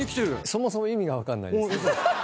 そもそも意味が分かんないです。